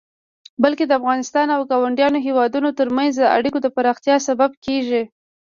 بلکې د افغانستان او ګاونډيو هيوادونو ترمنځ د اړيکو د پراختيا سبب کيږي.